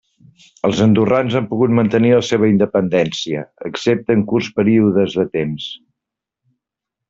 Els andorrans ha pogut mantenir la seva independència, excepte en curts períodes de temps.